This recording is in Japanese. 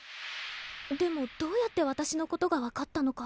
でもどうやって私のことがわかったのか。